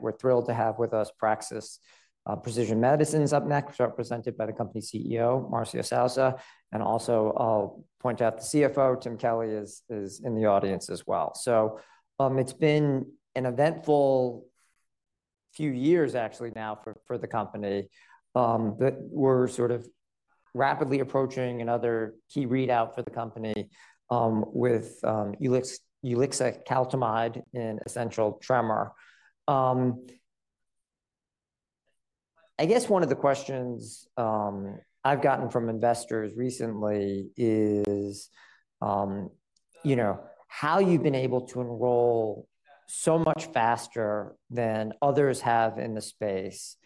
We're thrilled to have with us Praxis Precision Medicines up next, represented by the company's CEO, Marcio Souza. And also, I'll point out the CFO, Tim Kelly, is in the audience as well. So, it's been an eventful few years actually now for the company that we're sort of rapidly approaching another key readout for the company with ulixacaltamide in essential tremor. I guess one of the questions I've gotten from investors recently is, you know, how you've been able to enroll so much faster than others have in the space.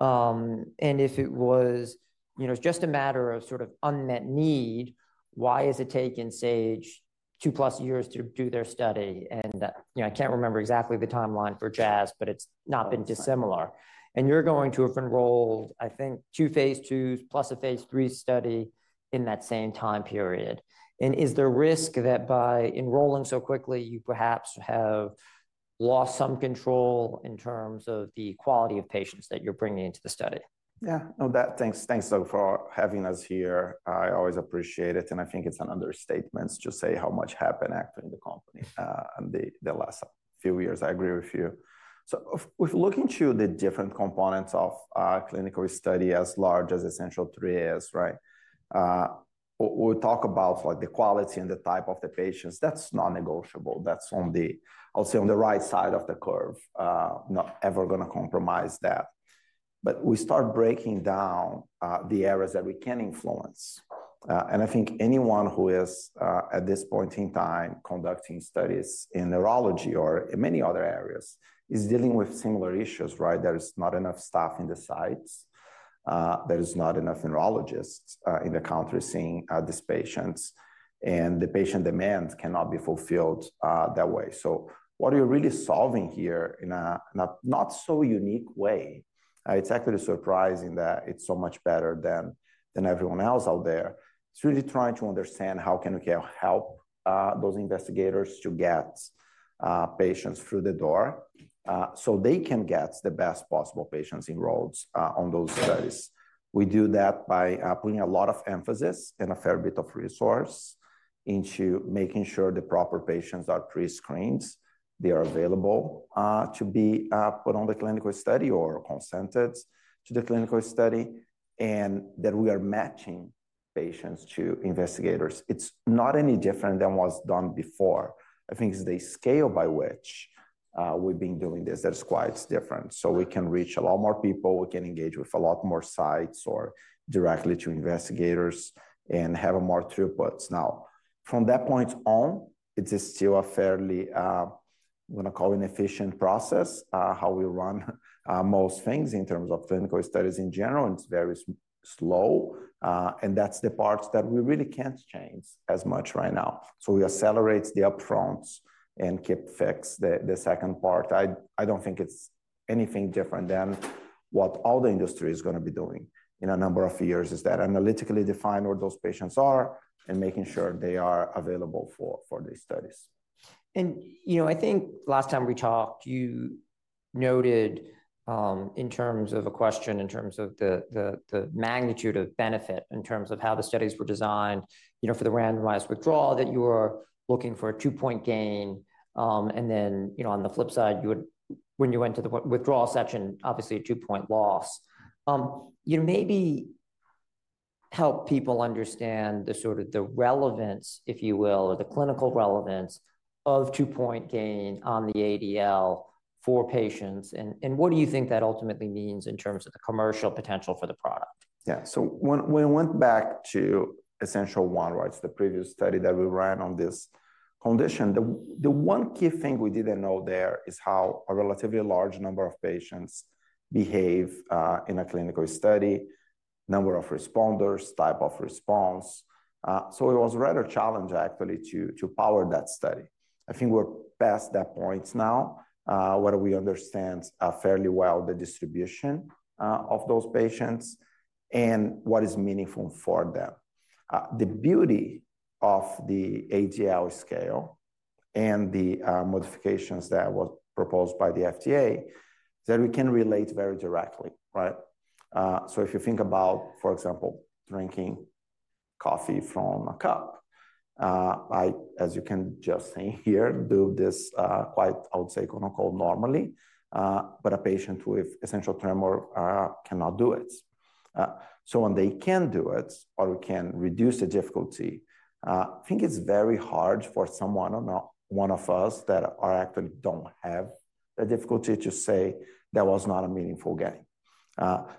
And if it was, you know, just a matter of sort of unmet need, why has it taken Sage two plus years to do their study? And, you know, I can't remember exactly the timeline for Jazz, but it's not been dissimilar. You're going to have enrolled, I think, two Phase IIs plus a phase III study in that same time period. Is there risk that by enrolling so quickly, you perhaps have lost some control in terms of the quality of patients that you're bringing into the study? Yeah. No, that. Thanks, thanks, though, for having us here. I always appreciate it, and I think it's an understatement to say how much happened actually in the company, in the last few years. I agree with you. So if looking to the different components of our clinical study, as large as Essential3 is, right? We talk about, like, the quality and the type of the patients, that's non-negotiable. That's on the, I'll say, on the right side of the curve. Not ever gonna compromise that. But we start breaking down, the areas that we can influence. And I think anyone who is, at this point in time, conducting studies in neurology or in many other areas, is dealing with similar issues, right? There is not enough staff in the sites. There is not enough neurologists in the country seeing these patients, and the patient demand cannot be fulfilled that way. So what are you really solving here in a not so unique way? It's actually surprising that it's so much better than everyone else out there. It's really trying to understand how can we help those investigators to get patients through the door, so they can get the best possible patients enrolled on those studies. We do that by putting a lot of emphasis and a fair bit of resource into making sure the proper patients are pre-screened, they are available to be put on the clinical study or consented to the clinical study, and that we are matching patients to investigators. It's not any different than what's done before. I think it's the scale by which we've been doing this that is quite different. So we can reach a lot more people, we can engage with a lot more sites or directly to investigators and have a more throughput. Now, from that point on, it is still a fairly, I'm gonna call an efficient process, how we run most things in terms of clinical studies in general. It's very slow, and that's the part that we really can't change as much right now. So we accelerate the upfront and can't fix the second part. I don't think it's anything different than what all the industry is gonna be doing in a number of years, is that analytically define where those patients are and making sure they are available for these studies. You know, I think last time we talked, you noted in terms of a question, in terms of the magnitude of benefit, in terms of how the studies were designed, you know, for the randomized withdrawal, that you were looking for a two-point gain. And then, you know, on the flip side, you would when you went to the withdrawal section, obviously a two-point loss. You maybe help people understand the sort of the relevance, if you will, or the clinical relevance of two-point gain on the ADL for patients, and what do you think that ultimately means in terms of the commercial potential for the product? Yeah. So when we went back to Essential1, right, so the previous study that we ran on this condition, the one key thing we didn't know there is how a relatively large number of patients behave in a clinical study, number of responders, type of response. So it was rather challenging, actually, to power that study. I think we're past that point now, where we understand fairly well the distribution of those patients and what is meaningful for them. The beauty of the ADL scale and the modifications that was proposed by the FDA, is that we can relate very directly, right? So if you think about, for example, drinking coffee from a cup, I, as you can just see here, do this, quite, I would say, quote-unquote, "normally," but a patient with essential tremor cannot do it. So when they can do it or we can reduce the difficulty, I think it's very hard for someone or not one of us that are actually don't have the difficulty to say that was not a meaningful gain.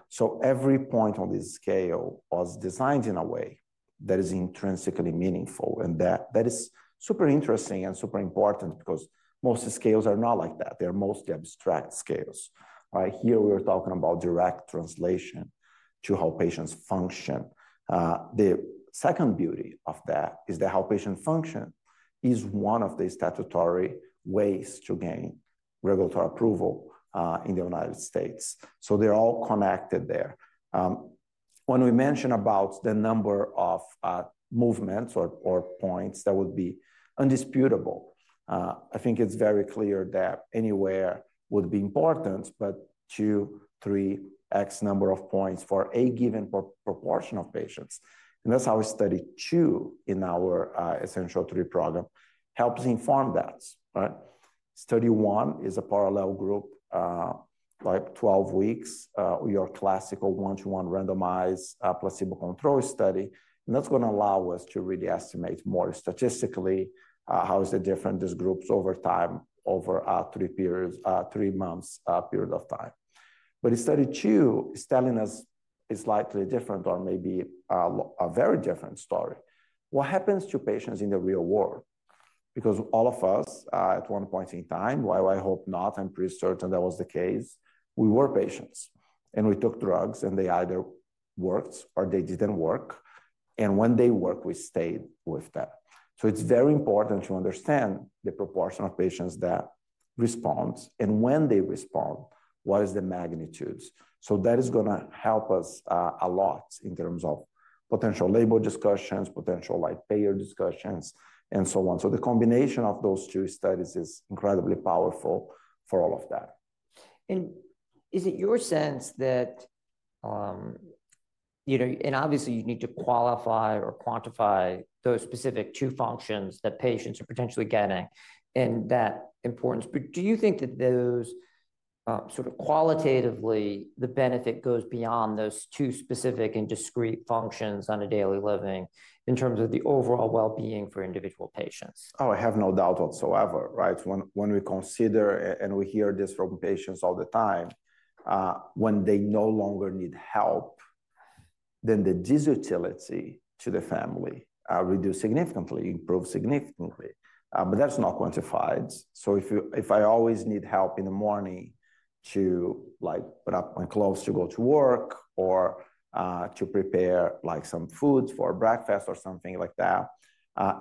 So every point on this scale was designed in a way that is intrinsically meaningful, and that, that is super interesting and super important because most scales are not like that. They're mostly abstract scales. Here we're talking about direct translation to how patients function. The second beauty of that is that how patient function is one of the statutory ways to gain regulatory approval in the United States. So they're all connected there. When we mention about the number of movements or points, that would be undisputable. I think it's very clear that anywhere would be important, but 2-3x number of points for a given proportion of patients. And that's how Study 2 in our Essential3 program helps inform that, right? Study 1 is a parallel group like 12 weeks, your classical 1-to-1 randomized placebo-controlled study, and that's gonna allow us to really estimate more statistically how is it different, these groups, over time, over three periods, three months period of time. But study two is telling us a slightly different or maybe, a very different story. What happens to patients in the real world? Because all of us, at one point in time, while I hope not, I'm pretty certain that was the case, we were patients, and we took drugs, and they either worked or they didn't work, and when they worked, we stayed with that. So it's very important to understand the proportion of patients that responds, and when they respond, what is the magnitudes? So that is gonna help us, a lot in terms of potential label discussions, potential, like, payer discussions, and so on. So the combination of those two studies is incredibly powerful for all of that. Is it your sense that, you know, and obviously, you need to qualify or quantify those specific two functions that patients are potentially getting, and that importance. But do you think that those, sort of qualitatively, the benefit goes beyond those two specific and discrete functions on a daily living in terms of the overall well-being for individual patients? Oh, I have no doubt whatsoever, right? When we consider and we hear this from patients all the time, when they no longer need help, then the disutility to the family reduce significantly, improve significantly. But that's not quantified. So if I always need help in the morning to, like, put up my clothes to go to work or to prepare, like, some food for breakfast or something like that,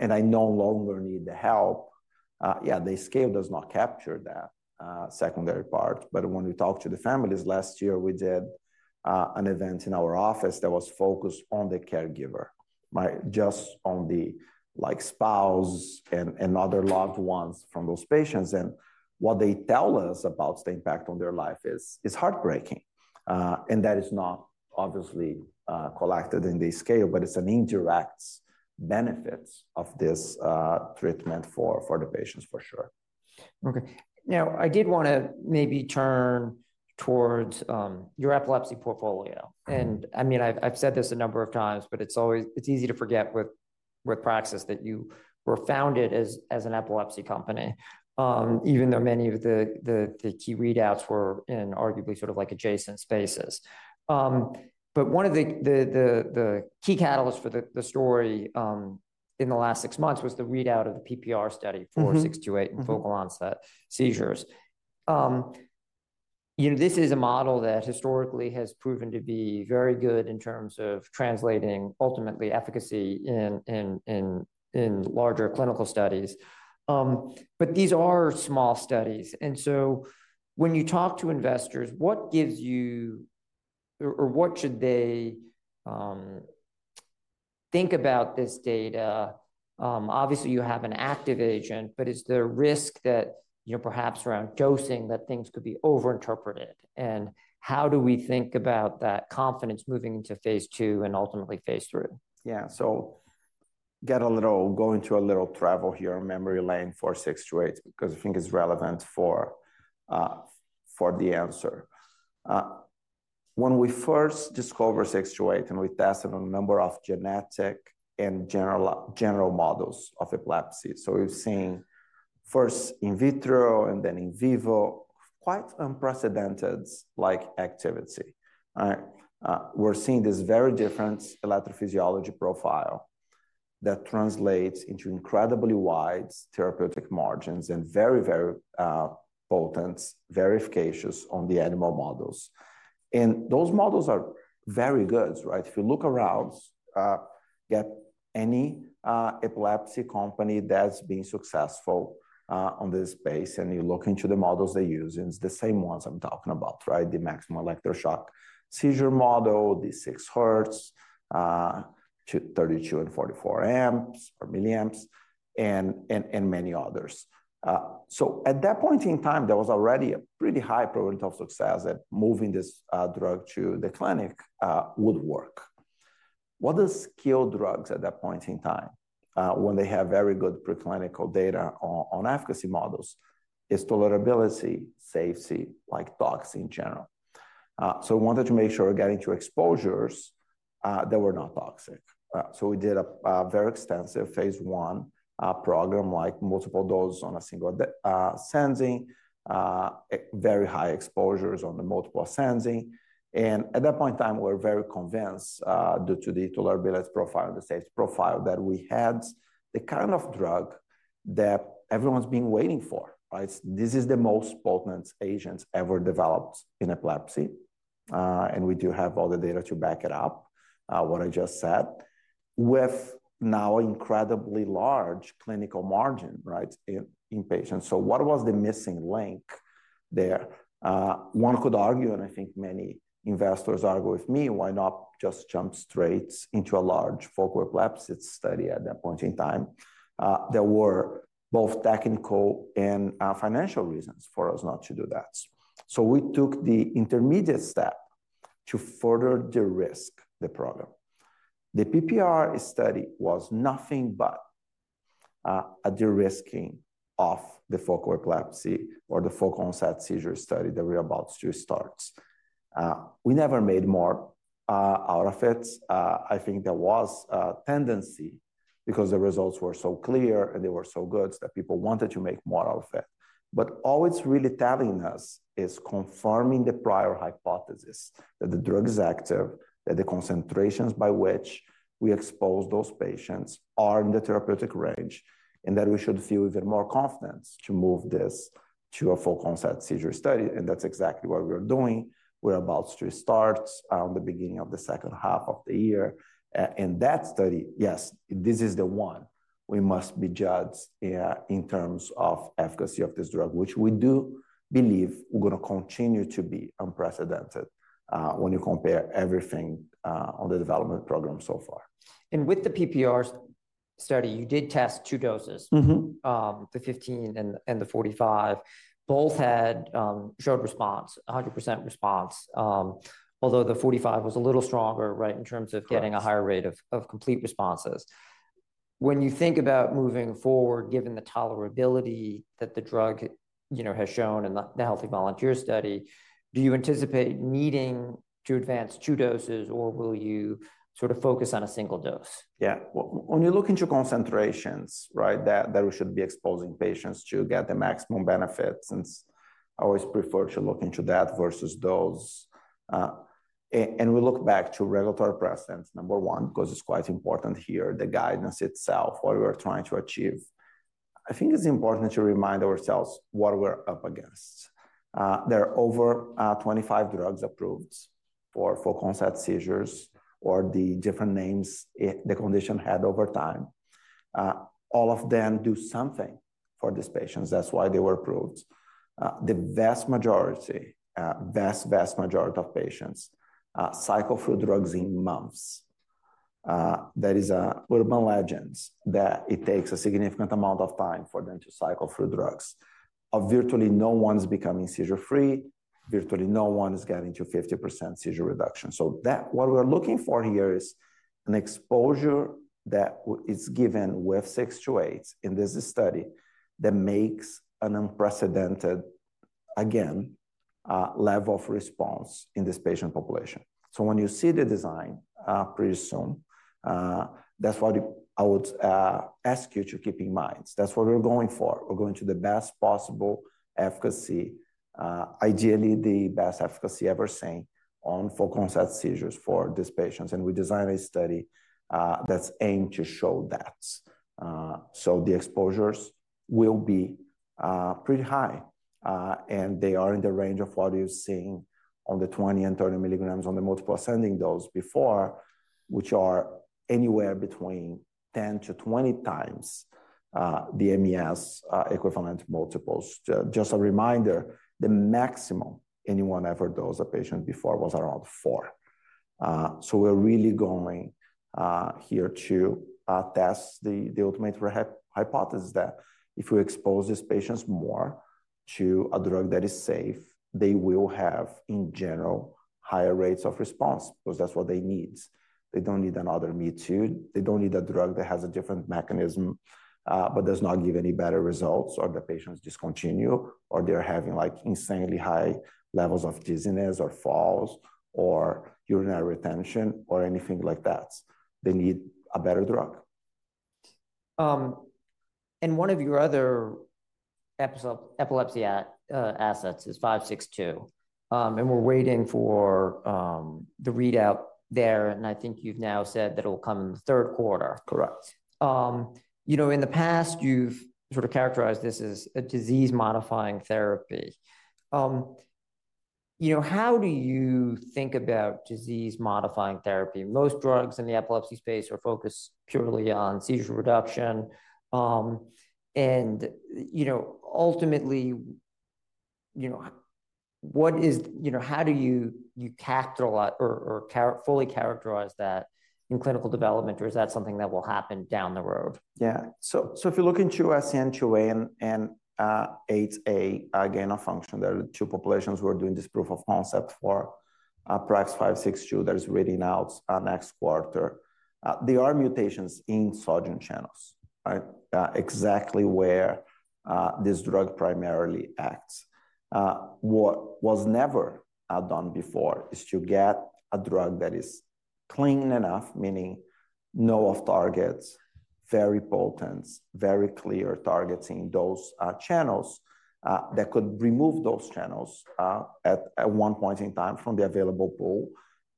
and I no longer need the help, yeah, the scale does not capture that secondary part. But when we talked to the families last year, we did an event in our office that was focused on the caregiver, right? Just on the, like, spouse and other loved ones from those patients, and what they tell us about the impact on their life is heartbreaking. That is not obviously collected in the scale, but it's an indirect benefit of this treatment for the patients, for sure. Okay. Now, I did want to maybe turn towards your epilepsy portfolio. And, I mean, I've said this a number of times, but it's always, it's easy to forget with Praxis, that you were founded as an epilepsy company, even though many of the key readouts were in arguably sort of like adjacent spaces. But one of the key catalysts for the story, in the last six months was the readout of the PPR study for PRAX-628 in focal onset seizures. You know, this is a model that historically has proven to be very good in terms of translating ultimately efficacy in larger clinical studies. But these are small studies, and so when you talk to investors, what gives you, or what should they think about this data? Obviously, you have an active agent, but is there a risk that, you know, perhaps around dosing, that things could be overinterpreted, and how do we think about that confidence moving into Phase II and ultimately Phase III? Yeah, so get a little go into a little trip down memory lane for SCN8A, because I think it's relevant for the answer. When we first discovered SCN8A, and we tested a number of genetic and general models of epilepsy, so we've seen first in vitro and then in vivo, quite unprecedented, like, activity. We're seeing this very different electrophysiology profile that translates into incredibly wide therapeutic margins and very, very, potent, very efficacious on the animal models. And those models are very good, right? If you look around, at any, epilepsy company that's been successful, on this space, and you look into the models they use, it's the same ones I'm talking about, right? The maximal electroshock seizure model, the 6 Hz, to 32 and 44 amps or milliamps, and many others. So at that point in time, there was already a pretty high probability of success that moving this drug to the clinic would work. What kills drugs at that point in time, when they have very good preclinical data on efficacy models? It's tolerability, safety, like toxicity in general. So we wanted to make sure we're getting to exposures that were not toxic. So we did a very extensive phase I program, like multiple dose on a single dosing, very high exposures on the multiple dosing. And at that point in time, we were very convinced due to the tolerability profile and the safety profile, that we had the kind of drug that everyone's been waiting for, right? This is the most potent agent ever developed in epilepsy, and we do have all the data to back it up, what I just said, with now incredibly large clinical margin, right, in, in patients. So what was the missing link there? One could argue, and I think many investors argue with me, why not just jump straight into a large focal epilepsy study at that point in time? There were both technical and, financial reasons for us not to do that. So we took the intermediate step to further de-risk the program. The PPR study was nothing but, a de-risking of the focal epilepsy or the focal onset seizure study that we're about to start. We never made more, out of it. I think there was a tendency, because the results were so clear and they were so good, that people wanted to make more out of it. But all it's really telling us is confirming the prior hypothesis, that the drug is active, that the concentrations by which we expose those patients are in the therapeutic range, and that we should feel even more confidence to move this to a focal onset seizure study, and that's exactly what we're doing. We're about to start the beginning of the second half of the year. And that study, yes, this is the one we must be judged in terms of efficacy of this drug, which we do believe we're going to continue to be unprecedented when you compare everything on the development program so far. With the PPR study, you did test two doses. The 15 and the 45. Both had showed response, 100% response, although the 45 was a little stronger, right, in terms of getting a higher rate of complete responses. When you think about moving forward, given the tolerability that the drug, you know, has shown in the healthy volunteer study, do you anticipate needing to advance two doses, or will you sort of focus on a single dose? Yeah. When you look into concentrations, right, that we should be exposing patients to get the maximum benefit, since I always prefer to look into that versus dose, and we look back to regulatory precedent, number one, 'cause it's quite important here, the guidance itself, what we are trying to achieve. I think it's important to remind ourselves what we're up against. There are over 25 drugs approved for focal onset seizures or the different names the condition had over time. All of them do something for these patients. That's why they were approved. The vast majority, vast, vast majority of patients cycle through drugs in months. There is an urban legend that it takes a significant amount of time for them to cycle through drugs. Virtually, no one's becoming seizure-free, virtually no one is getting to 50% seizure reduction. So that what we're looking for here is an exposure that is given with PRAX-628 in this study that makes an unprecedented, again, level of response in this patient population. So when you see the design, pretty soon, that's what I would ask you to keep in mind. That's what we're going for. We're going to the best possible efficacy, ideally, the best efficacy ever seen on focal onset seizures for these patients. We design a study that's aimed to show that. So the exposures will be pretty high, and they are in the range of what you're seeing on the 20 mg and 30 mg on the multiple ascending dose before, which are anywhere between 10-20 times the MES equivalent multiples. Just a reminder, the maximum anyone ever dose a patient before was around four. So we're really going here to test the ultimate hypothesis that if we expose these patients more to a drug that is safe, they will have, in general, higher rates of response, because that's what they need. They don't need another me-too. They don't need a drug that has a different mechanism, but does not give any better results, or the patients discontinue, or they're having, like, insanely high levels of dizziness or falls or urinary retention or anything like that. They need a better drug. And one of your other epilepsy assets is PRAX-562, and we're waiting for the readout there, and I think you've now said that it'll come in the third quarter. Correct. You know, in the past, you've sort of characterized this as a disease-modifying therapy. You know, how do you think about disease-modifying therapy? Most drugs in the epilepsy space are focused purely on seizure reduction. You know, ultimately, you know, how do you characterize or fully characterize that in clinical development, or is that something that will happen down the road? Yeah. So if you look into SCN2A and SCN8A gain of function, there are two populations who are doing this proof of concept for PRAX-562, that's reading out next quarter. There are mutations in sodium channels, right? Exactly where this drug primarily acts. What was never done before is to get a drug that is clean enough, meaning no off-targets, very potent, very clear, targeting those channels that could remove those channels at one point in time from the available pool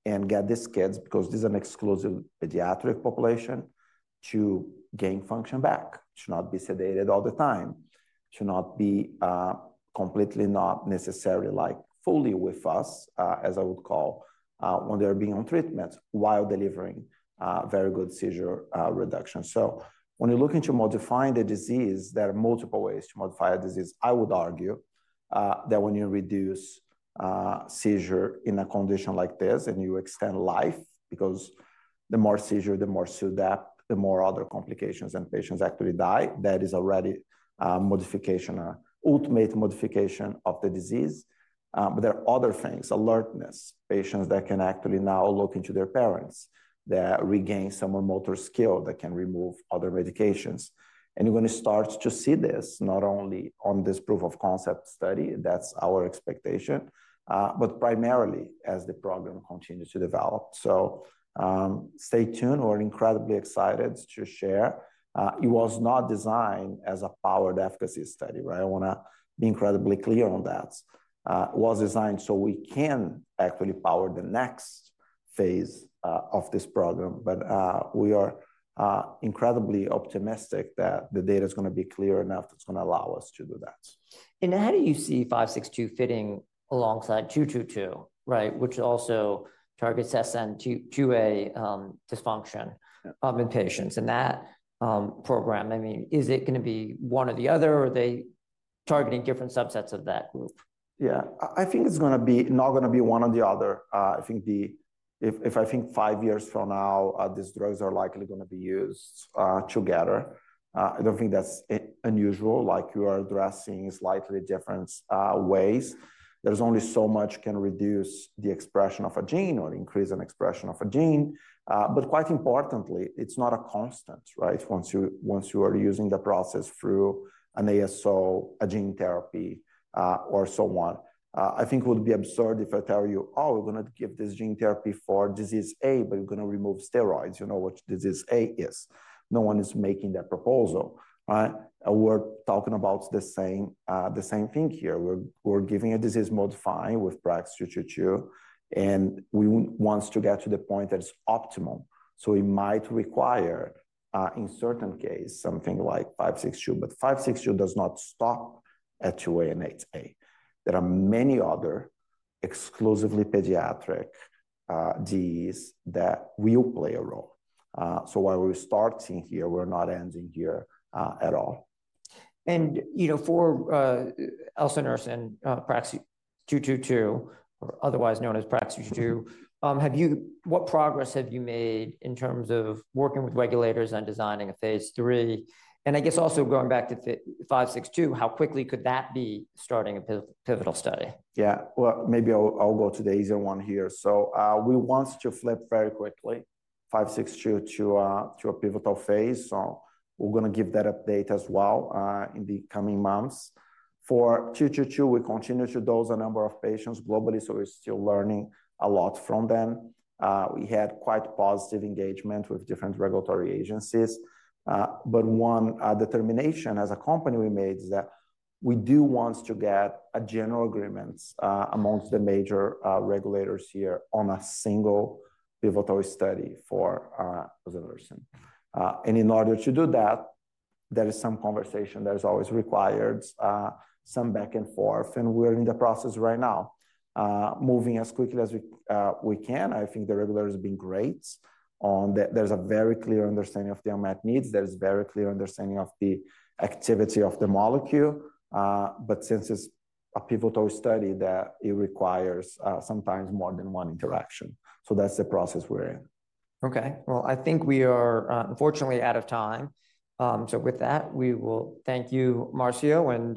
and get these kids, because this is an exclusive pediatric population to gain function back, should not be sedated all the time, should not be completely not necessarily, like, fully with us as I would call when they're being on treatment while delivering very good seizure reduction. So when you're looking to modify the disease, there are multiple ways to modify a disease. I would argue that when you reduce seizure in a condition like this, and you extend life, because the more seizure, the more SUDEP, the more other complications, and patients actually die, that is already a modification, a ultimate modification of the disease. But there are other things: alertness, patients that can actually now look into their parents, that regain some motor skill, that can remove other medications. And you're going to start to see this not only on this proof of concept study, that's our expectation, but primarily as the program continues to develop. So, stay tuned. We're incredibly excited to share. It was not designed as a powered efficacy study, right? I want to be incredibly clear on that. It was designed so we can actually power the next phase of this program, but we are incredibly optimistic that the data is going to be clear enough that's going to allow us to do that. How do you see PRAX-562 fitting alongside PRAX-222, right? Which also targets SCN2A dysfunction in patients in that program. I mean, is it going to be one or the other, or are they targeting different subsets of that group? Yeah, I think it's going to be not going to be one or the other. I think the, if I think five years from now, these drugs are likely going to be used together. I don't think that's unusual. Like, you are addressing slightly different ways. There's only so much can reduce the expression of a gene or increase an expression of a gene. But quite importantly, it's not a constant, right? Once you, once you are using the process through an ASO, a gene therapy, or so on. I think it would be absurd if I tell you: Oh, we're going to give this gene therapy for disease A, but we're going to remove steroids. You know what disease A is. No one is making that proposal, right? We're talking about the same, the same thing here. We're giving a disease-modifying with PRAX-222, and we want to get to the point that it's optimal. So it might require, in certain case, something like PRAX-562, but PRAX-562 does not stop at 2A and 8A. There are many other exclusively pediatric disease that will play a role. So while we're starting here, we're not ending here, at all. You know, for elsunersen, PRAX-222, or otherwise known as PRAX-222, what progress have you made in terms of working with regulators on designing a phase III? And I guess also going back to PRAX-562, how quickly could that be starting a pivotal study? Yeah, well, maybe I'll go to the easier one here. So we want to flip very quickly 562 to a pivotal phase, so we're going to give that update as well in the coming months. For 222, we continue to dose a number of patients globally, so we're still learning a lot from them. We had quite positive engagement with different regulatory agencies, but one determination as a company we made is that we do want to get a general agreement among the major regulators here on a single pivotal study for the elsunersen. And in order to do that, there is some conversation that is always required, some back and forth, and we're in the process right now moving as quickly as we can. I think the regulator has been great. There's a very clear understanding of the unmet needs. There's a very clear understanding of the activity of the molecule, but since it's a pivotal study that it requires, sometimes more than one interaction. So that's the process we're in. Okay, well, I think we are unfortunately out of time. So with that, we will thank you, Marcio, and.